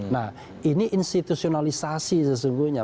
nah ini institutionalisasi sesungguhnya